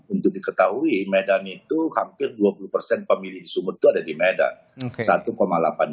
untuk diketahui medan itu hampir dua puluh persen pemilih di sumut itu ada di medan